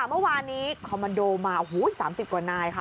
เมื่อวานนี้คอมมันโดมาโอ้โหสามสิบกว่านายค่ะ